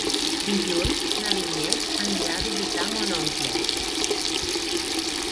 Dilluns na Vinyet anirà a visitar mon oncle.